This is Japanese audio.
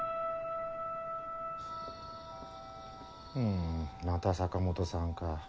んまた坂本さんか。